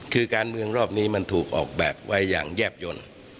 คือการเมืองรอบนี้มันถูกออกแบบไว้อย่างแยบยนต์